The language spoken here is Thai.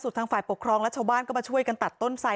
ทางฝ่ายปกครองและชาวบ้านก็มาช่วยกันตัดต้นไส